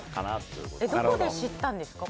どこで知ったんですか？